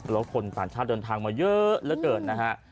แล้วคนต่างชาติเดินทางมาเยอะเหลือเกินนะฮะ